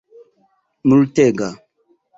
multega